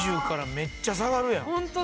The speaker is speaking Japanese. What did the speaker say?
４０からめっちゃ下がるやん。